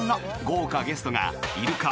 豪華ゲストがいるか？